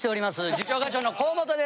次長課長の河本です。